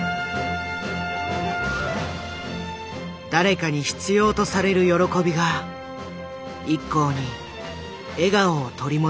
誰かに必要とされる喜びがＩＫＫＯに笑顔を取り戻した。